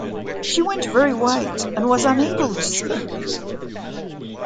She went very white, and was unable to speak.